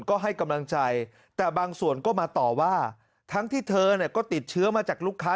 ก็ให้กำลังใจแต่บางส่วนก็มาต่อว่าทั้งที่เธอเนี่ยก็ติดเชื้อมาจากลูกค้า